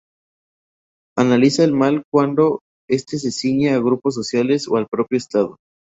Analiza el mal cuando este se ciñe a grupos sociales o al propio Estado.